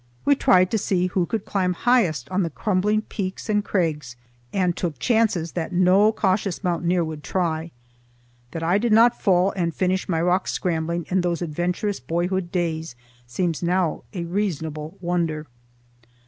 We tried to see who could climb highest on the crumbling peaks and crags, and took chances that no cautious mountaineer would try. That I did not fall and finish my rock scrambling in those adventurous boyhood days seems now a reasonable wonder.